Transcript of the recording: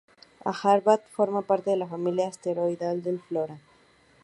Harvard forma parte de la familia asteroidal de Flora.